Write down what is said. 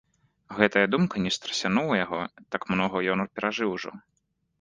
Гэтая думка не страсянула яго, так многа ён перажыў ужо.